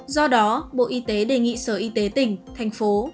do đó bộ y tế đề nghị sở y tế tỉnh thành phố